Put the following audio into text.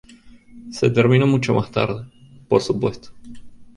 Se terminó mucho más tarde, por supuesto".